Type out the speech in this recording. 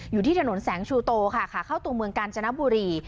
อยู่ที่ถนนแสงชูโตค่ะขาเข้าตัวเมืองกาญจนบุรี